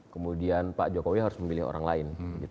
kemudian pak jokowi harus memilih orang lain